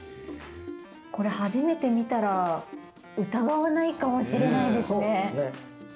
これ、初めて見たら疑わないかもしれないですね。